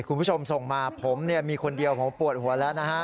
คุณผู้ชมส่งมาผมมีคนเดียวผมปวดหัวแล้วนะฮะ